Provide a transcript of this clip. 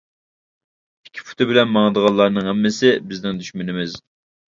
ئىككى پۇتى بىلەن ماڭىدىغانلارنىڭ ھەممىسى بىزنىڭ دۈشمىنىمىز.